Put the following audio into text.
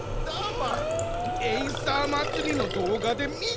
エイサーまつりのどうがでみたわ！